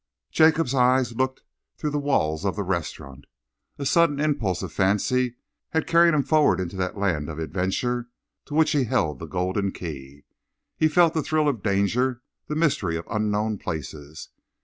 Jacob's eyes looked through the walls of the restaurant. A sudden impulse of fancy had carried him forward into that land of adventure to which he held the golden key. He felt the thrill of danger, the mystery of unknown places.